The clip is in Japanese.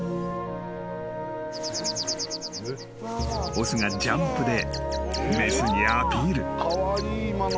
［雄がジャンプで雌にアピール］